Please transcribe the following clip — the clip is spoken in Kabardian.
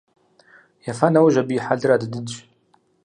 Ефа нэужь абы и хьэлыр адыдыдщ.